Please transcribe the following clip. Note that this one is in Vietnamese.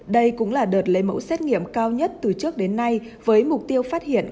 đây cũng là đợt lấy mẫu xét nghiệm cao nhất từ trước đến nay với mục tiêu phát hiện